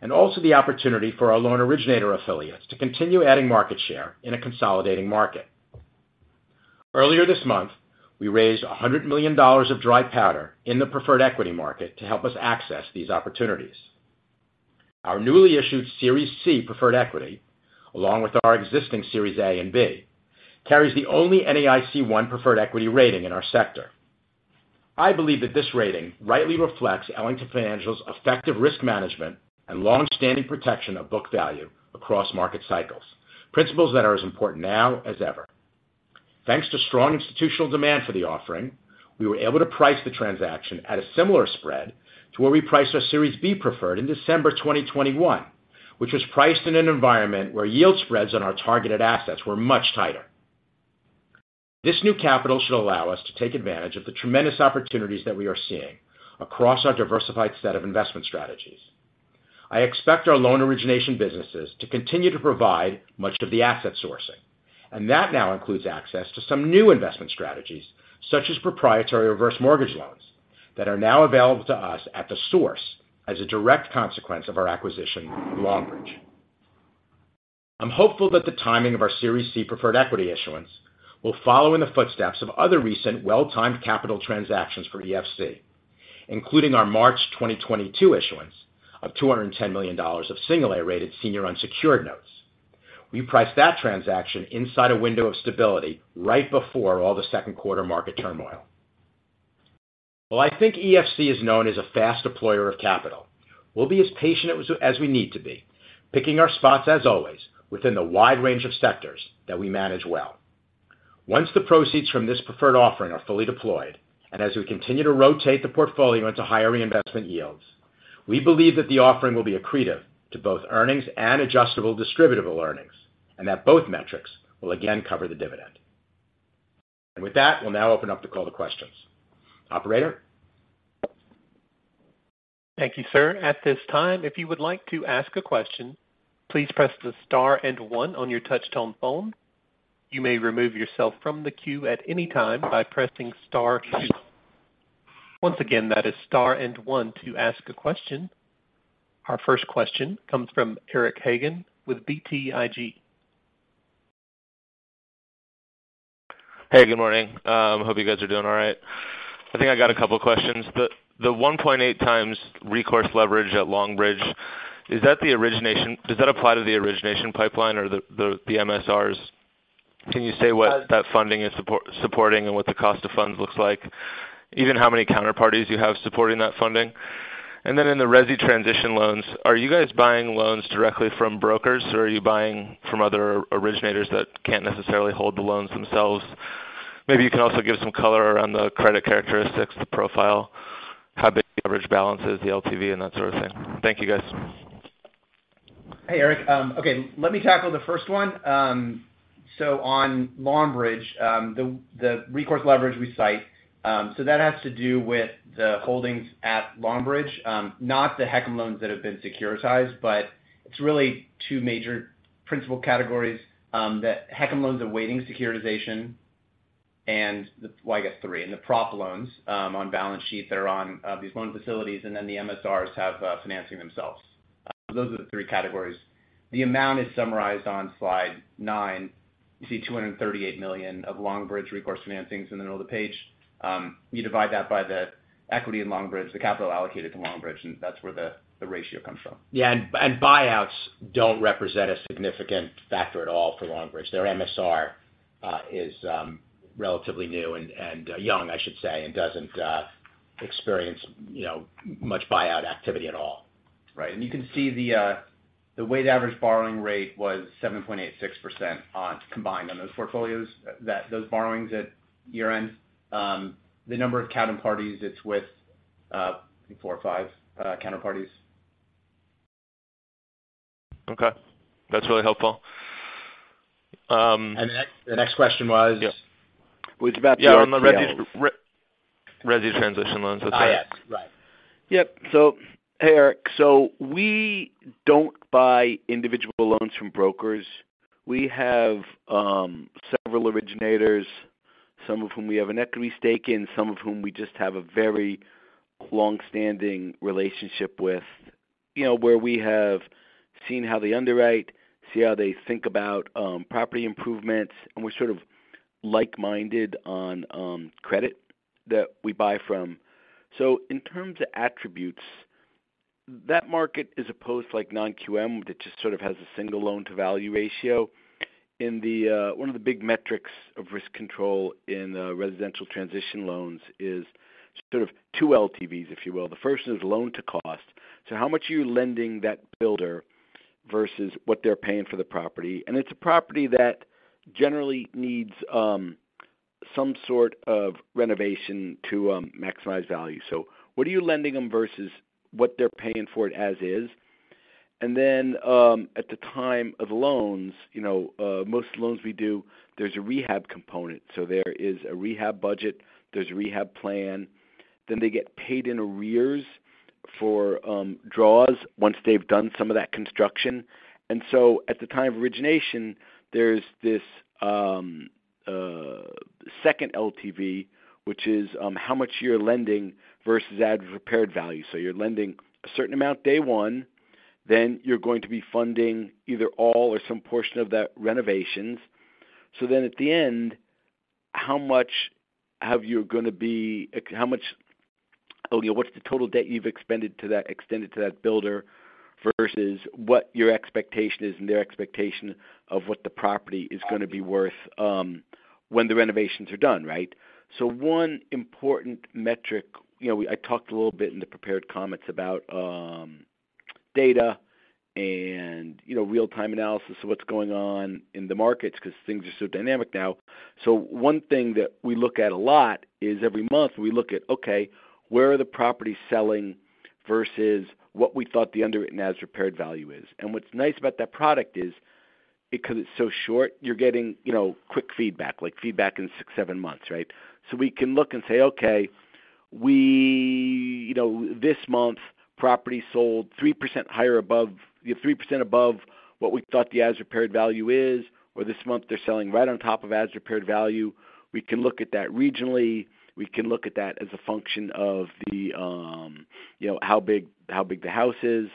and also the opportunity for our loan originator affiliates to continue adding market share in a consolidating market. Earlier this month, we raised $100 million of dry powder in the preferred equity market to help us access these opportunities. Our newly issued Series C preferred equity, along with our existing Series A and B, carries the only NAIC-1 preferred equity rating in our sector. I believe that this rating rightly reflects Ellington Financial's effective risk management and long-standing protection of book value across market cycles, principles that are as important now as ever. Thanks to strong institutional demand for the offering, we were able to price the transaction at a similar spread to where we priced our Series B preferred in December 2021, which was priced in an environment where yield spreads on our targeted assets were much tighter. This new capital should allow us to take advantage of the tremendous opportunities that we are seeing across our diversified set of investment strategies. I expect our loan origination businesses to continue to provide much of the asset sourcing, and that now includes access to some new investment strategies, such as proprietary reverse mortgage loans that are now available to us at the source as a direct consequence of our acquisition of Longbridge. I'm hopeful that the timing of our Series C preferred equity issuance will follow in the footsteps of other recent well-timed capital transactions for EFC, including our March 2022 issuance of $210 million of single-A rated senior unsecured notes. We priced that transaction inside a window of stability right before all the second quarter market turmoil. While I think EFC is known as a fast deployer of capital, we'll be as patient as we need to be, picking our spots as always within the wide range of sectors that we manage well. Once the proceeds from this preferred offering are fully deployed, and as we continue to rotate the portfolio into higher reinvestment yields, we believe that the offering will be accretive to both earnings and adjustable distributable earnings, and that both metrics will again cover the dividend. With that, we'll now open up the call to questions. Operator. Thank you, sir. At this time, if you would like to ask a question, please press the star and 1 on your touch-tone phone. You may remove yourself from the queue at any time by pressing star 2. Once again, that is star and 1 to ask a question. Our first question comes from Eric Hagen with BTIG. Hey, good morning. Hope you guys are doing all right. I think I got a couple of questions. The 1.8 times recourse leverage at Longbridge, does that apply to the origination pipeline or the MSRs? Can you say what that funding is supporting and what the cost of funds looks like? How many counterparties you have supporting that funding. In the resi transition loans, are you guys buying loans directly from brokers, or are you buying from other originators that can't necessarily hold the loans themselves? Maybe you can also give some color around the credit characteristics, the profile, how big the average balance is, the LTV and that sort of thing. Thank you, guys. Hey, Eric. Okay, let me tackle the first one. On Longbridge, the recourse leverage we cite, that has to do with the holdings at Longbridge, not the HECM loans that have been securitized, but it's really two major principal categories, HECM loans awaiting securitization. Well, I guess three, and the prop loans on balance sheet that are on these loan facilities, and then the MSRs have financing themselves. Those are the three categories. The amount is summarized on slide 9. You see $238 million of Longbridge recourse financings in the middle of the page. You divide that by the equity in Longbridge, the capital allocated to Longbridge, that's where the ratio comes from. Buyouts don't represent a significant factor at all for Longbridge. Their MSR is relatively new and young, I should say, and doesn't experience, you know, much buyout activity at all. Right. You can see the weighted average borrowing rate was 7.86% on combined on those portfolios. Those borrowings at year-end, the number of counterparties it's with, 4 or 5, counterparties. Okay. That's really helpful. The next question was? Was about the LTVs. Resi transition loans. Okay. Yes. Right. Yep. Hey, Eric. We don't buy individual loans from brokers. We have several originators, some of whom we have an equity stake in, some of whom we just have a very long-standing relationship with, you know, where we have seen how they underwrite, see how they think about property improvements, and we're sort of like-minded on credit that we buy from. In terms of attributes, that market as opposed to like non-QM, that just sort of has a single loan-to-value ratio. In the one of the big metrics of risk control in residential transition loans is sort of 2 LTVs, if you will. The first is loan to cost. How much are you lending that builder versus what they're paying for the property? It's a property that generally needs some sort of renovation to maximize value. What are you lending them versus what they're paying for it as is. Then, at the time of loans, you know, most loans we do, there's a rehab component. There is a rehab budget, there's a rehab plan. Then they get paid in arrears for draws once they've done some of that construction. At the time of origination, there's this second LTV, which is how much you're lending versus as-repaired value. You're lending a certain amount day one, then you're going to be funding either all or some portion of that renovations. At the end, how much... Oh yeah, what's the total debt you've extended to that builder versus what your expectation is and their expectation of what the property is gonna be worth, when the renovations are done, right? One important metric, you know, I talked a little bit in the prepared comments about, data and, you know, real-time analysis of what's going on in the markets 'cause things are so dynamic now. One thing that we look at a lot is every month we look at, okay, where are the properties selling versus what we thought the underwritten as-repaired value is. What's nice about that product isBecause it's so short, you're getting, you know, quick feedback, like feedback in six, seven months, right? We can look and say, "Okay, you know, this month, property sold 3% higher 3% above what we thought the as-repaired value is, or this month they're selling right on top of as-repaired value." We can look at that regionally. We can look at that as a function of the, you know, how big the house is.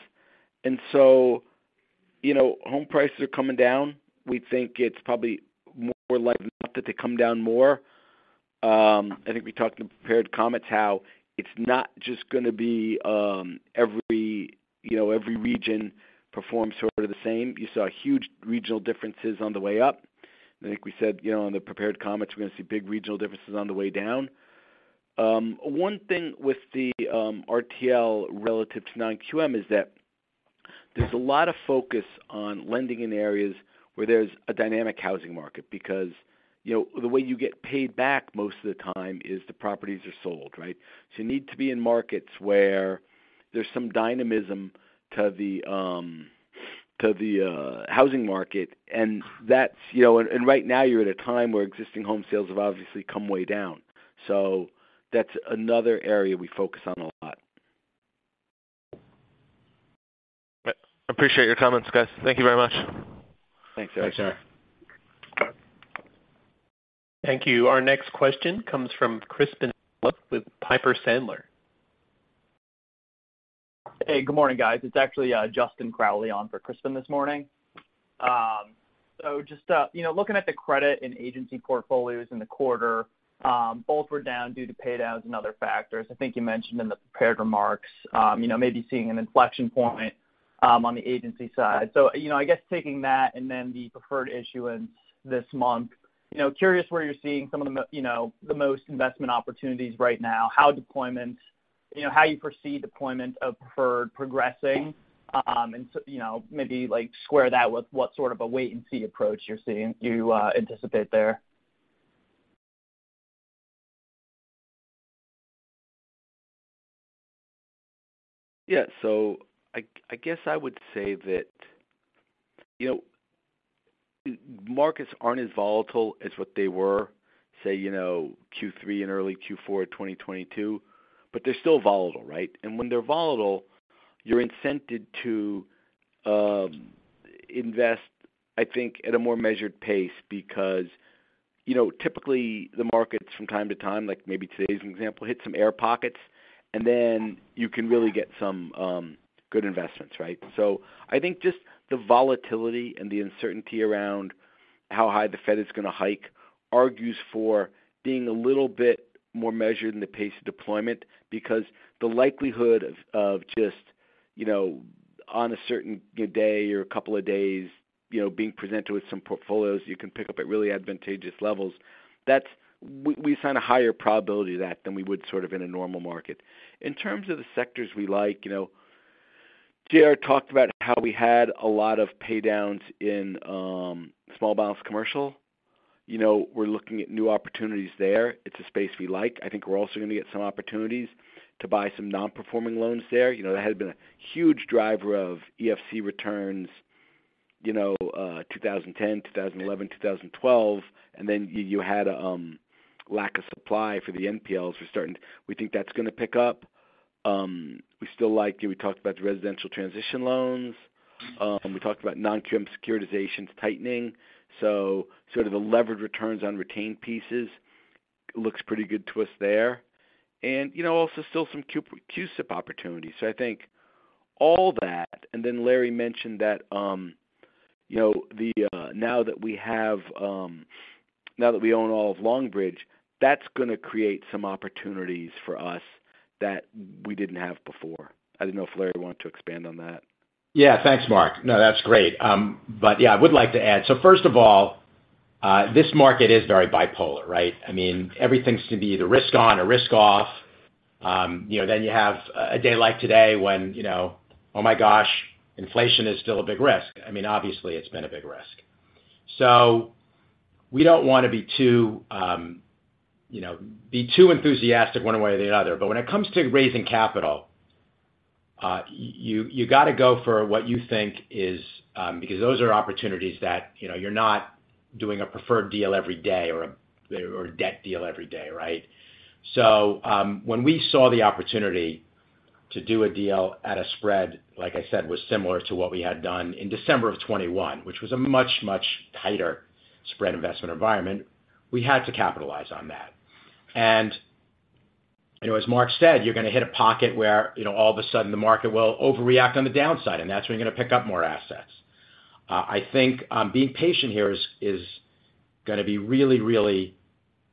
You know, home prices are coming down. We think it's probably more likely than not that they come down more. I think we talked in the prepared comments how it's not just gonna be every, you know, every region performs sort of the same. You saw huge regional differences on the way up. I think we said, you know, in the prepared comments, we're gonna see big regional differences on the way down. One thing with the RTL relative to non-QM is that there's a lot of focus on lending in areas where there's a dynamic housing market because, you know, the way you get paid back most of the time is the properties are sold, right? You need to be in markets where there's some dynamism to the to the housing market. That's, you know. Right now you're at a time where existing home sales have obviously come way down. That's another area we focus on a lot. I appreciate your comments, guys. Thank you very much. Thanks, Eric. Thanks, Eric. Thank you. Our next question comes from Crispin with Piper Sandler. Hey, good morning, guys. It's actually, Justin Crowley on for Crispin this morning. Just, you know, looking at the credit and agency portfolios in the quarter, both were down due to pay downs and other factors. I think you mentioned in the prepared remarks, you know, maybe seeing an inflection point on the agency side. You know, I guess taking that and then the preferred issuance this month. You know, curious where you're seeing some of the, you know, the most investment opportunities right now. You know, how you foresee deployment of preferred progressing. You know, maybe like square that with what sort of a wait and see approach you anticipate there. Yeah. I guess I would say that, you know, markets aren't as volatile as what they were, say, you know, Q3 and early Q4 of 2022, but they're still volatile, right? When they're volatile, you're incented to invest, I think, at a more measured pace because, you know, typically the markets from time to time, like maybe today's an example, hit some air pockets, and then you can really get some good investments, right? I think just the volatility and the uncertainty around how high the Fed is gonna hike argues for being a little bit more measured in the pace of deployment because the likelihood of just, you know, on a certain day or a couple of days, you know, being presented with some portfolios you can pick up at really advantageous levels, we assign a higher probability to that than we would sort of in a normal market. In terms of the sectors we like, you know, J.R. talked about how we had a lot of pay downs in Small Balance Commercial. You know, we're looking at new opportunities there. It's a space we like. I think we're also gonna get some opportunities to buy some Non-Performing Loans there. You know, that had been a huge driver of EFC returns, you know, 2010, 2011, 2012. Then you had a lack of supply for the NPLs. We think that's gonna pick up. We still like, you know, we talked about the residential transition loans. We talked about non-QM securitizations tightening. Sort of the levered returns on retained pieces looks pretty good to us there. You know, also still some co-issue opportunities. I think all that. Then Larry mentioned that, you know, now that we have, now that we own all of Longbridge, that's gonna create some opportunities for us that we didn't have before. I didn't know if Larry wanted to expand on that. Yeah. Thanks, Mark. No, that's great. Yeah, I would like to add. First of all, this market is very bipolar, right? I mean, everything's to be either risk on or risk off. You know, then you have a day like today when, you know, oh my gosh, inflation is still a big risk. I mean, obviously it's been a big risk. We don't wanna be too, you know, be too enthusiastic one way or the other. When it comes to raising capital, you gotta go for what you think is... because those are opportunities that, you know, you're not doing a preferred deal every day or a, or a debt deal every day, right? When we saw the opportunity to do a deal at a spread, like I said, was similar to what we had done in December of 2021, which was a much, much tighter spread investment environment, we had to capitalize on that. You know, as Mark said, you're gonna hit a pocket where, you know, all of a sudden the market will overreact on the downside, and that's when you're gonna pick up more assets. I think, being patient here is gonna be really, really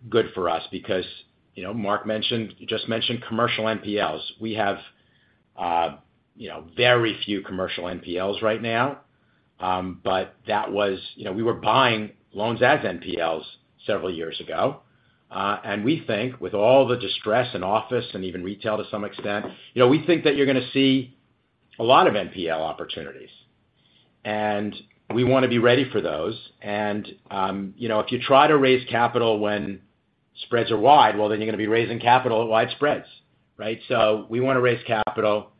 good for us because, you know, Mark mentioned, just mentioned commercial NPLs. We have, you know, very few commercial NPLs right now. You know, we were buying loans as NPLs several years ago. We think with all the distress in office and even retail to some extent, you know, we think that you're gonna see a lot of NPL opportunities, and we wanna be ready for those. You know, if you try to raise capital when spreads are wide. Well, you're gonna be raising capital at wide spreads, right? We wanna raise capital,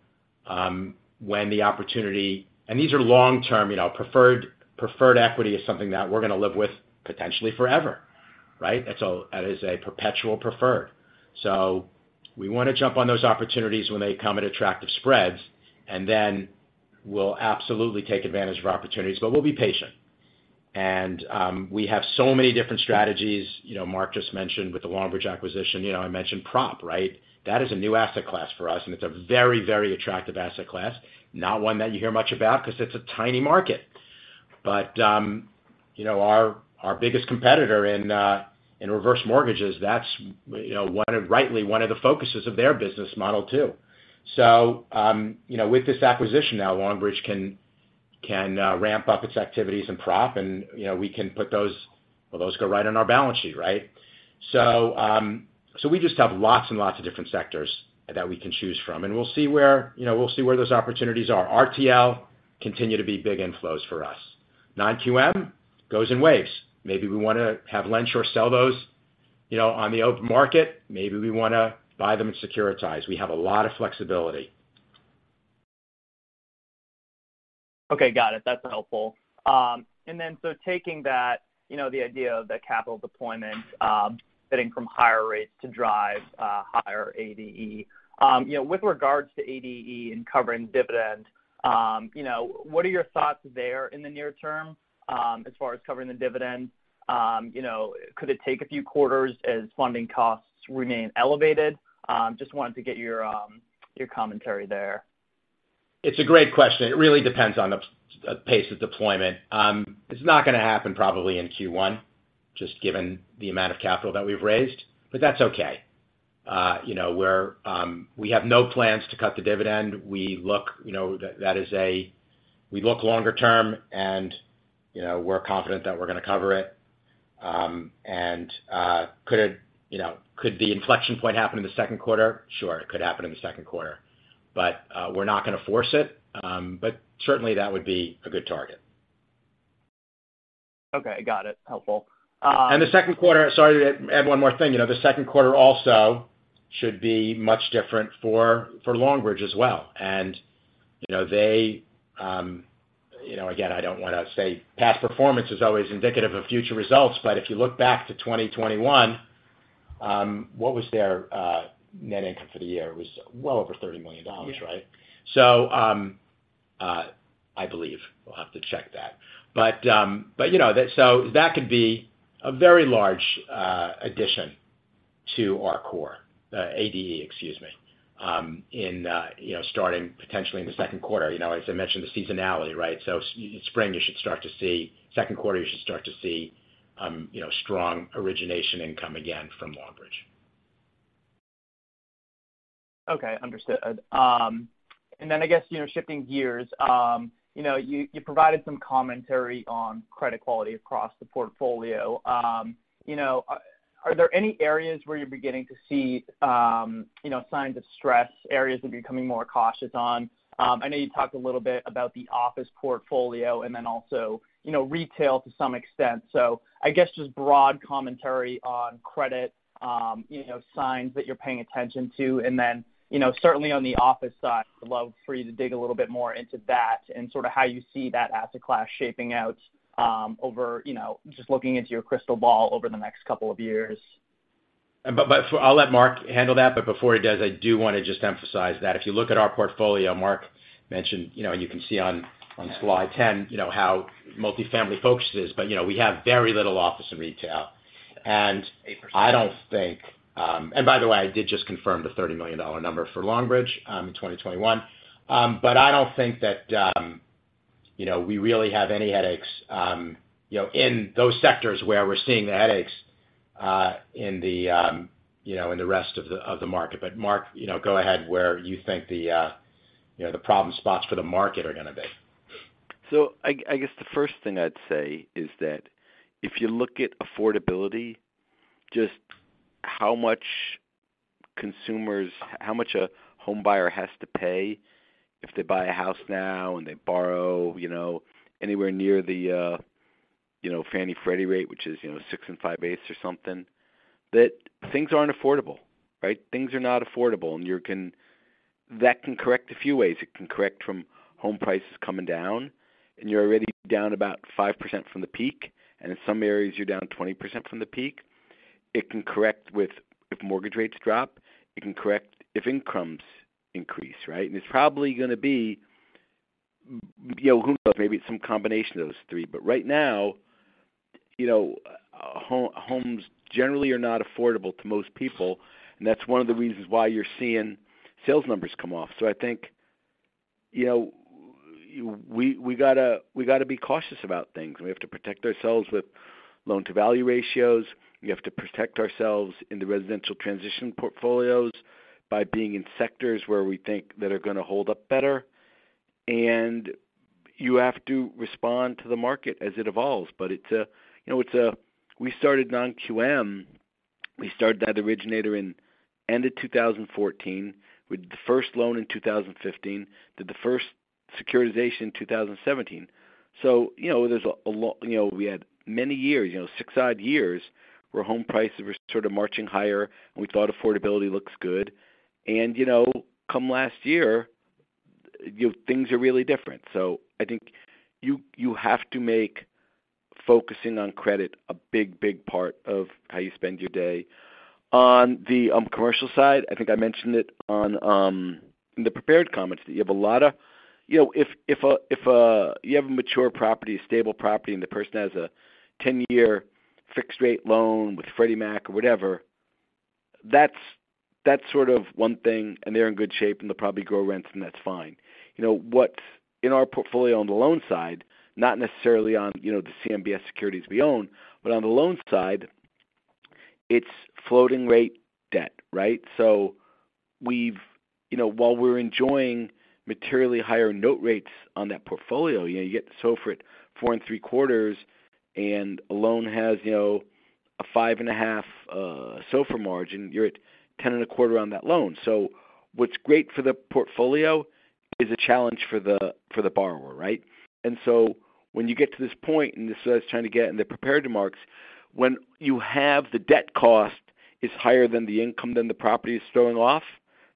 these are long-term, you know, preferred equity is something that we're gonna live with potentially forever, right? That is a perpetual preferred. We wanna jump on those opportunities when they come at attractive spreads, we'll absolutely take advantage of opportunities. We'll be patient. We have so many different strategies, you know, Mark just mentioned with the Longbridge acquisition. You know, I mentioned prop, right? That is a new asset class for us, and it's a very, very attractive asset class. Not one that you hear much about 'cause it's a tiny market. You know, our biggest competitor in reverse mortgages, that's, you know, rightly one of the focuses of their business model too. You know, with this acquisition now, Longbridge can ramp up its activities and prop and, you know, we can put those. Well, those go right on our balance sheet, right? We just have lots and lots of different sectors that we can choose from, and we'll see where, you know, we'll see where those opportunities are. RTL continue to be big inflows for us. Non-QM goes in waves. Maybe we wanna have lend or sell those, you know, on the open market. Maybe we wanna buy them and securitize. We have a lot of flexibility. Okay. Got it. That's helpful. Taking that, you know, the idea of the capital deployment, fitting from higher rates to drive higher ADE, you know, with regards to ADE and covering dividend, you know, what are your thoughts there in the near term, as far as covering the dividend? You know, could it take a few quarters as funding costs remain elevated? Just wanted to get your commentary there. It's a great question. It really depends on the pace of deployment. It's not gonna happen probably in Q1, just given the amount of capital that we've raised, but that's okay. You know, we have no plans to cut the dividend. We look, you know, that is a. We look longer term and, you know, we're confident that we're gonna cover it. You know, could it, you know, could the inflection point happen in the second quarter? Sure, it could happen in the second quarter. We're not gonna force it. Certainly that would be a good target. Okay. Got it. Helpful. The second quarter. Sorry, to add one more thing. You know, the second quarter also should be much different for Longbridge as well. You know, they, you know, again, I don't wanna say past performance is always indicative of future results, but if you look back to 2021, what was their net income for the year? It was well over $30 million, right? Yeah. I believe. We'll have to check that. But you know. That could be a very large addition to our core ADE, excuse me, in, you know, starting potentially in the second quarter. You know, as I mentioned the seasonality, right? Spring, you should start to see, second quarter, you should start to see, you know, strong origination income again from Longbridge. Okay. Understood. Then I guess, you know, shifting gears, you know, you provided some commentary on credit quality across the portfolio. You know, are there any areas where you're beginning to see, you know, signs of stress, areas you're becoming more cautious on? I know you talked a little bit about the office portfolio and then also, you know, retail to some extent. I guess just broad commentary on credit, you know, signs that you're paying attention to. Then, you know, certainly on the office side, I'd love for you to dig a little bit more into that and sort of how you see that asset class shaping out, over, you know, just looking into your crystal ball over the next couple of years. I'll let Mark handle that. Before he does, I do wanna just emphasize that if you look at our portfolio, Mark mentioned, you know, you can see on slide 10, you know, how multifamily-focused it is. We have very little office and retail. I don't think. By the way, I did just confirm the $30 million number for Longbridge in 2021. I don't think that, you know, we really have any headaches, you know, in those sectors where we're seeing the headaches in the, you know, in the rest of the market. Mark, you know, go ahead where you think the, you know, the problem spots for the market are gonna be. I guess the first thing I'd say is that if you look at affordability, just how much consumers, how much a homebuyer has to pay if they buy a house now and they borrow, you know, anywhere near the, you know, Fannie Freddie rate, which is, you know, six and five-eighths or something, that things aren't affordable, right? Things are not affordable. That can correct a few ways. It can correct from home prices coming down, and you're already down about 5% from the peak, and in some areas you're down 20% from the peak. It can correct with if mortgage rates drop. It can correct if incomes increase, right? It's probably gonna be, you know, who knows, maybe some combination of those three. Right now, you know, homes generally are not affordable to most people, and that's one of the reasons why you're seeing sales numbers come off. I think, you know, we gotta be cautious about things. We have to protect ourselves with loan-to-value ratios. We have to protect ourselves in the residential transition portfolios by being in sectors where we think that are gonna hold up better. You have to respond to the market as it evolves. It's a, you know. We started non-QM. We started that originator in end of 2014 with the first loan in 2015. Did the first Securitization 2017. You know, there's a lo-- you know, we had many years, you know, six odd years where home prices were sort of marching higher, and we thought affordability looks good. You know, come last year, you know, things are really different. I think you have to make focusing on credit a big, big part of how you spend your day. On the commercial side, I think I mentioned it in the prepared comments that you have a lot of... You know, if a you have a mature property, a stable property, and the person has a 10-year fixed rate loan with Freddie Mac or whatever, that's sort of one thing, and they're in good shape, and they'll probably grow rents, and that's fine. You know what's in our portfolio on the loan side, not necessarily on, you know, the CMBS securities we own, but on the loan side, it's floating rate debt, right? You know, while we're enjoying materially higher note rates on that portfolio, you know, you get SOFR at 4.75% and a loan has, you know, a 5.5% SOFR margin, you're at 10.25% on that loan. What's great for the portfolio is a challenge for the borrower, right? When you get to this point, and this is what I was trying to get in the prepared remarks, when you have the debt cost is higher than the income the property is throwing off,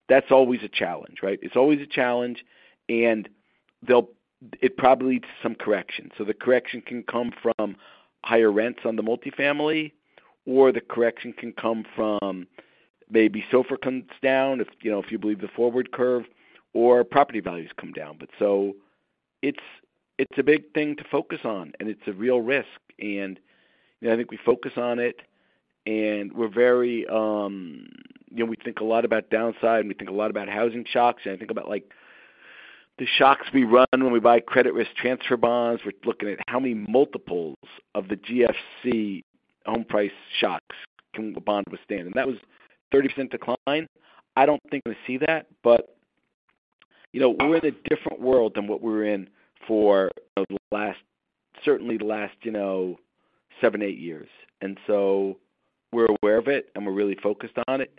that's always a challenge, right? It's always a challenge, it probably leads to some correction. The correction can come from higher rents on the multifamily, or the correction can come from maybe SOFR comes down if, you know, if you believe the forward curve or property values come down. It's a big thing to focus on, and it's a real risk. I think we focus on it, and we're very, you know, we think a lot about downside, and we think a lot about housing shocks. I think about, like, the shocks we run when we buy credit risk transfer bonds. We're looking at how many multiples of the GFC home price shocks can the bond withstand. That was 30% decline. I don't think we see that. We're in a different world than what we were in for the last, certainly the last, you know, seven, eight years. We're aware of it, and we're really focused on it.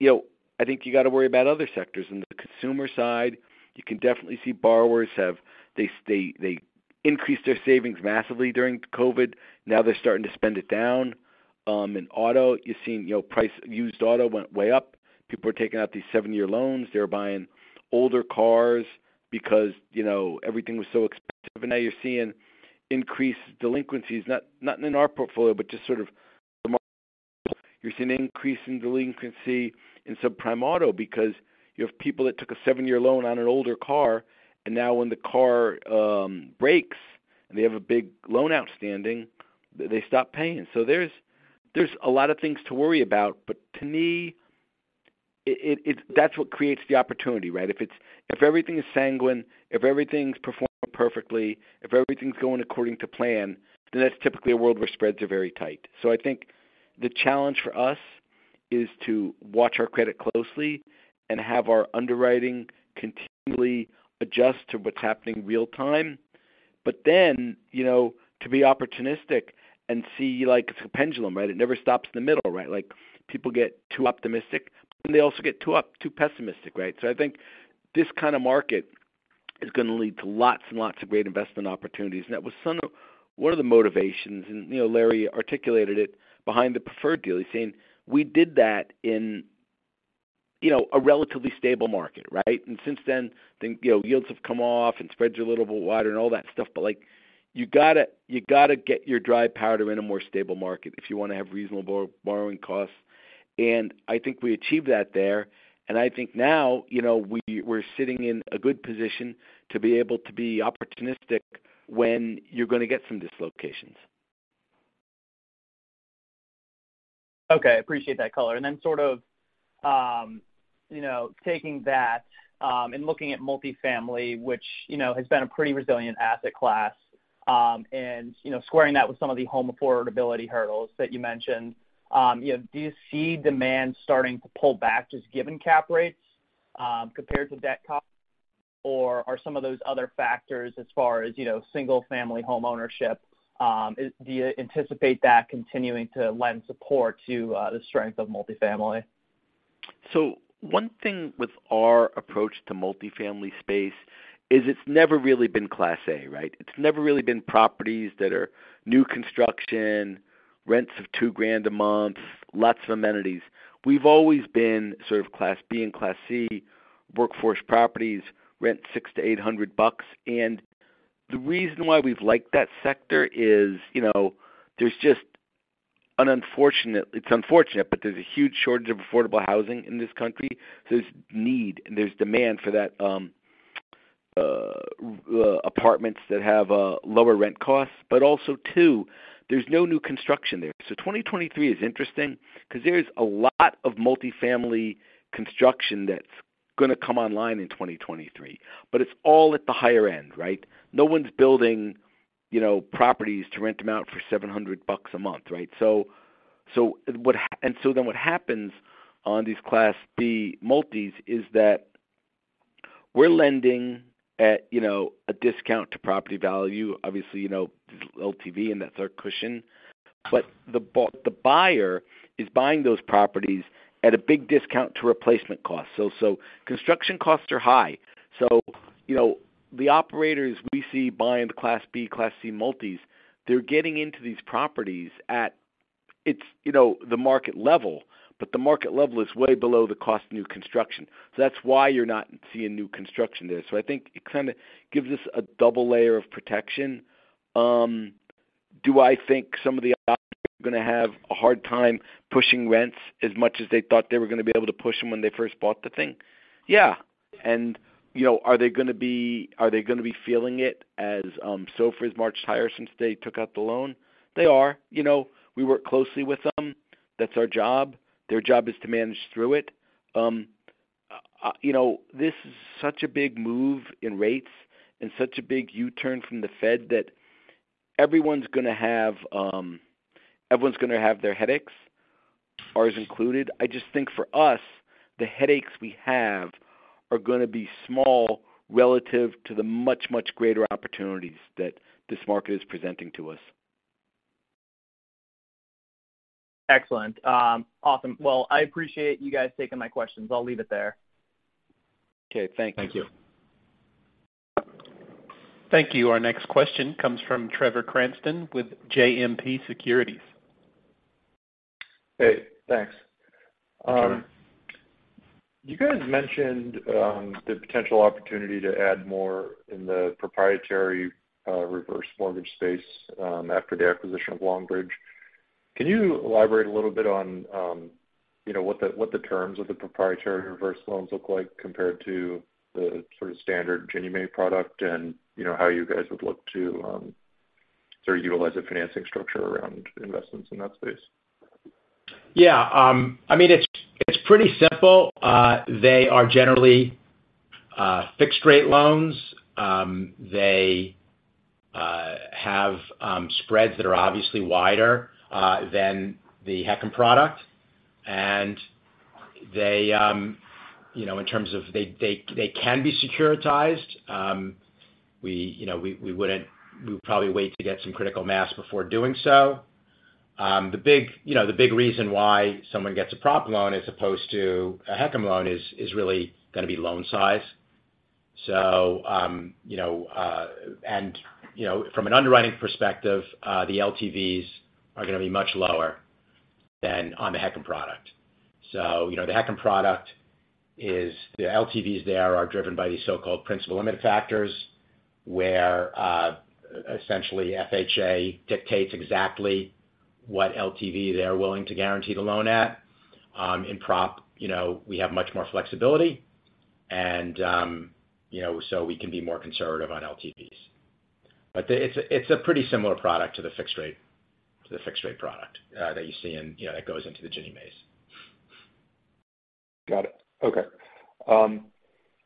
You know, I think you got to worry about other sectors. In the consumer side, you can definitely see borrowers They increased their savings massively during COVID. Now they're starting to spend it down. In auto, you're seeing, you know, used auto went way up. People are taking out these 7-year loans. They were buying older cars because, you know, everything was so expensive. Now you're seeing increased delinquencies, not in our portfolio, but just sort of the market. You're seeing an increase in delinquency in subprime auto because you have people that took a 7-year loan on an older car, and now when the car breaks and they have a big loan outstanding, they stop paying. There's a lot of things to worry about. To me, it that's what creates the opportunity, right? If everything is sanguine, if everything's performing perfectly, if everything's going according to plan, then that's typically a world where spreads are very tight. I think the challenge for us is to watch our credit closely and have our underwriting continually adjust to what's happening real time. You know, to be opportunistic and see, like, it's a pendulum, right? It never stops in the middle, right? Like, people get too optimistic, they also get too pessimistic, right? I think this kind of market is going to lead to lots and lots of great investment opportunities. That was one of the motivations, and, you know, Larry articulated it behind the preferred deal. He's saying we did that in, you know, a relatively stable market, right? Since then, think, you know, yields have come off and spreads are a little bit wider and all that stuff. Like, you gotta get your dry powder in a more stable market if you wanna have reasonable borrowing costs. I think we achieved that there. I think now, you know, we're sitting in a good position to be able to be opportunistic when you're gonna get some dislocations. Okay. Appreciate that color. Sort of, you know, taking that, and looking at multifamily, which, you know, has been a pretty resilient asset class, and, you know, squaring that with some of the home affordability hurdles that you mentioned, you know, do you see demand starting to pull back just given cap rates, compared to debt costs? Are some of those other factors as far as, you know, single-family home ownership, do you anticipate that continuing to lend support to, the strength of multifamily? One thing with our approach to multifamily space is it's never really been Class A, right? It's never really been properties that are new construction, rents of $2,000 a month, lots of amenities. We've always been sort of Class B and Class C workforce properties rent $600-$800. The reason why we've liked that sector is, you know, it's unfortunate, there's a huge shortage of affordable housing in this country. There's need and there's demand for that, apartments that have lower rent costs. Also, two, there's no new construction there. 2023 is interesting because there is a lot of multifamily construction that's gonna come online in 2023, it's all at the higher end, right? No one's building, you know, properties to rent them out for $700 a month, right? What happens on these Class B multis is that we're lending at, you know, a discount to property value. Obviously, you know, LTV and that third cushion. The buyer is buying those properties at a big discount to replacement costs. Construction costs are high. You know, the operators we see buying the Class B, Class C multis, they're getting into these properties at... It's, you know, the market level, but the market level is way below the cost of new construction. That's why you're not seeing new construction there. I think it kind of gives us a double layer of protection. Do I think some of the ops are gonna have a hard time pushing rents as much as they thought they were gonna be able to push them when they first bought the thing? Yeah. You know, are they gonna be feeling it as SOFRs march higher since they took out the loan? They are. You know, we work closely with them. That's our job. Their job is to manage through it. You know, this is such a big move in rates and such a big U-turn from the Fed that everyone's gonna have their headaches, ours included. I just think for us, the headaches we have are gonna be small relative to the much, much greater opportunities that this market is presenting to us. Excellent. Awesome. Well, I appreciate you guys taking my questions. I'll leave it there. Okay, thank you. Thank you. Thank you. Our next question comes from Trevor Cranston with JMP Securities. Hey, thanks. You're welcome. You guys mentioned, the potential opportunity to add more in the proprietary reverse mortgage space, after the acquisition of Longbridge. Can you elaborate a little bit on, you know, what the terms of the proprietary reverse loans look like compared to the sort of standard Ginnie Mae product and, you know, how you guys would look to, sort of utilize a financing structure around investments in that space? Yeah. I mean, it's pretty simple. They are generally fixed rate loans. They have spreads that are obviously wider than the HECM product. They, you know, in terms of they can be securitized. We, you know, we'd probably wait to get some critical mass before doing so. The big, you know, the big reason why someone gets a prop loan as opposed to a HECM loan is really gonna be loan size. You know, from an underwriting perspective, the LTVs are gonna be much lower than on the HECM product. You know, the HECM product is the LTVs there are driven by these so-called principal limit factors, where essentially FHA dictates exactly what LTV they're willing to guarantee the loan at. In prop, you know, we have much more flexibility and, you know, so we can be more conservative on LTVs. It's a pretty similar product to the fixed rate product, that you see in, you know, that goes into the Ginnie Maes. Got it. Okay.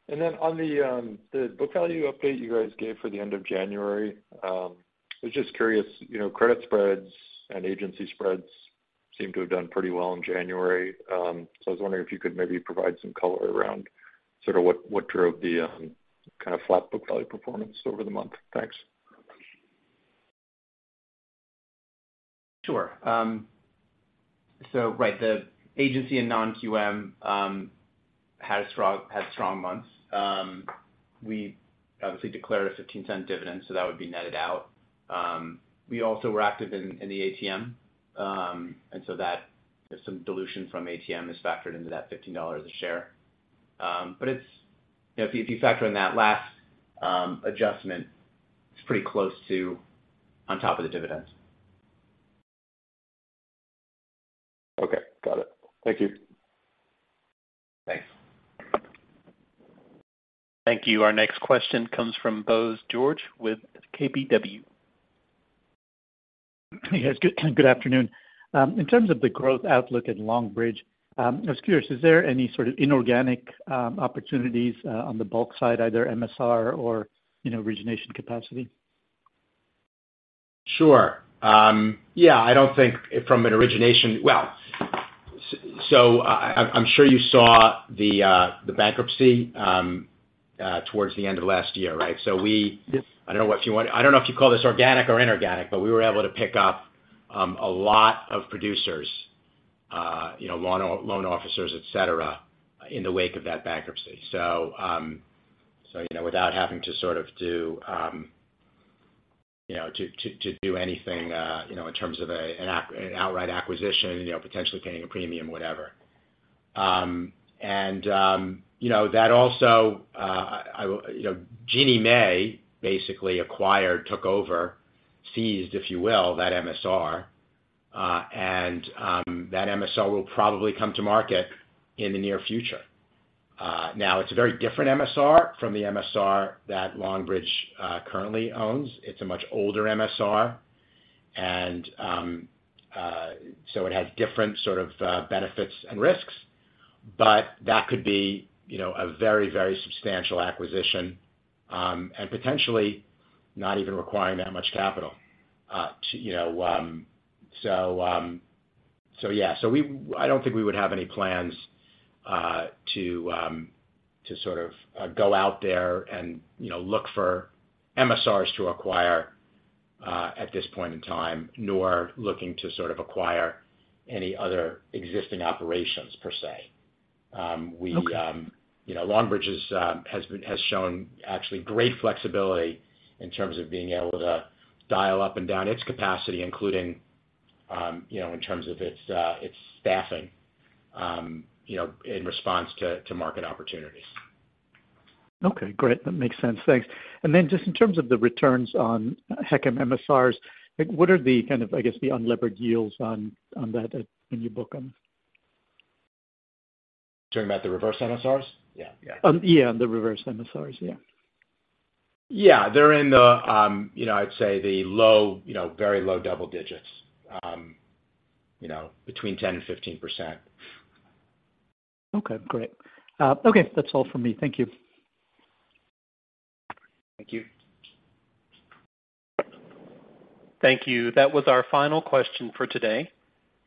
Then on the book value update you guys gave for the end of January, I was just curious, you know, credit spreads and agency spreads seem to have done pretty well in January. I was wondering if you could maybe provide some color around sort of what drove the, kind of flat book value performance over the month. Thanks. Sure. Right, the agency and non-QM had strong months. We obviously declared a $0.15 dividend, that would be netted out. We also were active in the ATM. That, there's some dilution from ATM is factored into that $15 a share. It's, you know, if you, if you factor in that last adjustment, it's pretty close to on top of the dividends. Okay, got it. Thank you. Thanks. Thank you. Our next question comes from Bose George with KBW. Yes, good afternoon. In terms of the growth outlook at Longbridge, I was curious, is there any sort of inorganic opportunities on the bulk side, either MSR or, you know, origination capacity? Sure. Yeah, I don't think from an origination... Well, I'm sure you saw the bankruptcy, towards the end of last year, right? Yes. I don't know if you call this organic or inorganic, but we were able to pick up a lot of producers, you know, loan officers, et cetera, in the wake of that bankruptcy. You know, without having to sort of do, you know, to do anything, you know, in terms of an outright acquisition, you know, potentially paying a premium, whatever. You know, that also, you know, Ginnie Mae basically acquired, took over, seized, if you will, that MSR. That MSR will probably come to market in the near future. It's a very different MSR from the MSR that Longbridge currently owns. It's a much older MSR. It has different sort of benefits and risks, but that could be, you know, a very, very substantial acquisition, and potentially not even requiring that much capital to, you know. So yeah. I don't think we would have any plans to sort of go out there and, you know, look for MSRs to acquire at this point in time, nor looking to sort of acquire any other existing operations per se. Okay. You know, Longbridge is, has shown actually great flexibility in terms of being able to dial up and down its capacity, including, you know, in terms of its staffing, you know, in response to market opportunities. Okay, great. That makes sense. Thanks. Then just in terms of the returns on HECM MSRs, like what are the kind of, I guess, the unlevered yields on that in your book on this? Talking about the reverse MSRs? Yeah. Yeah, the reverse MSRs. Yeah. Yeah. They're in the, you know, I'd say the low, you know, very low double digits. You know, between 10 and 15%. Okay, great. Okay, that's all for me. Thank you. Thank you. Thank you. That was our final question for today.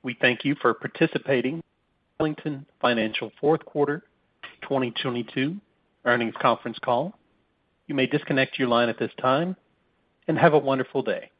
We thank you for participating in Ellington Financial fourth quarter 2022 earnings conference call. You may disconnect your line at this time, and have a wonderful day.